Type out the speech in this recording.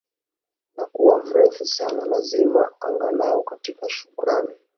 na kuwa mrefu sana lazima angalau katika shukrani